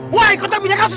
woi kau tak punya kasus